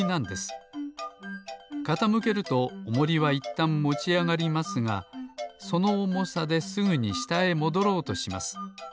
かたむけるとおもりはいったんもちあがりますがそのおもさですぐにしたへもどろうとします。